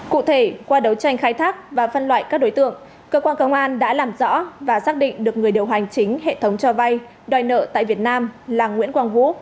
cụ thể qua đấu tranh khai thác và phân loại các đối tượng cơ quan công an đã làm rõ và xác định được người điều hành chính hệ thống cho vay đòi nợ tại việt nam là nguyễn quang vũ